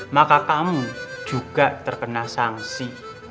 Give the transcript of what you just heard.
maka kamu juga terkena sanksi